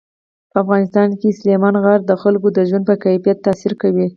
په افغانستان کې سلیمان غر د خلکو د ژوند په کیفیت تاثیر کوي.